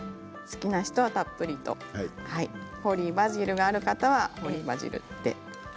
好きな人はたっぷりとホーリーバジルがある方はホーリーバジルで。